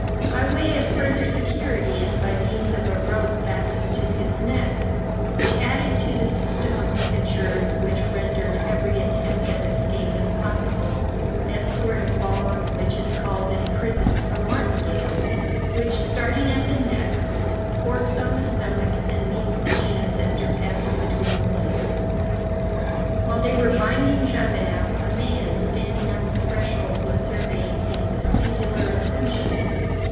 By way of further security, and by means of a rope fastened to his neck, they added to the system of ligatures which rendered every attempt at escape impossible, that sort of bond which is called in prisons a martingale, which, starting at the neck, forks on the stomach, and meets the hands, after passing between the legs. While they were binding Javert, a man standing on the threshold was surveying him with singular attention.